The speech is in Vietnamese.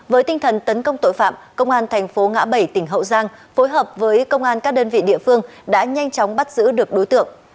với tinh thần tấn công tội phạm công an thành phố ngã bảy tỉnh hậu giang phối hợp với công an các đơn vị địa phương đã nhanh chóng bắt giữ được đối tượng